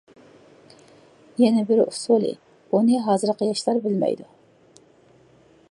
يەنە بىر ئۇسۇلى، ئۇنى ھازىرقى ياشلار بىلمەيدۇ.